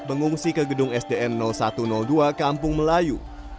mengungsi ke gedung sdn satu ratus dua kampung melayu